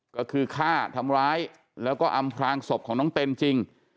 ก็คือฆ่าทำร้ายแล้วก็อำพลางศพของน้องเต็นจริง